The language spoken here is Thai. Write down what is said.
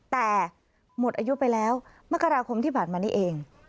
แต่หมดอายุไปแล้วมกราคมที่ผ่านมานี้เอง